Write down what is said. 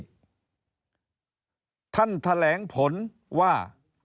ท่านแถลงผลว่า